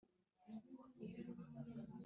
Nidukomeza gutinda bukadukeraho